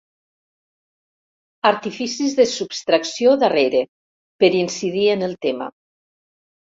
Artificis de subtracció darrere— per incidir en el tema.